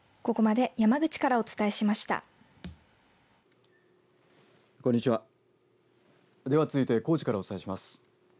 では続いて高知からお伝えします。